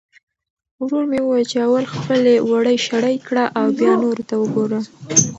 ورور مې وویل چې اول خپلې وړۍ شړۍ کړه او بیا نورو ته وګوره.